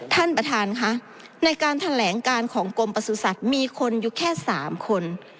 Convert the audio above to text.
ท่านประธานค่ะในการแถลงการของกรมประสุทธิ์มีคนอยู่แค่๓คน